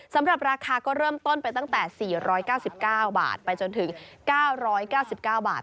สำหรับราคาก็เริ่มต้นไปตั้งแต่๔๙๙บาทไปจนถึง๙๙๙บาท